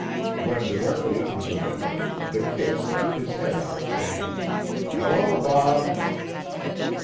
When directly under the window, the "Kid" stuck his head out, saying: "Hello, Bob!"